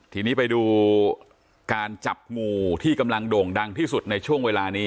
ทีนี้ไปดูการจับงูที่กำลังโด่งดังที่สุดในช่วงเวลานี้